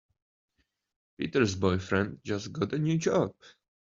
Peter's boyfriend just got a new job.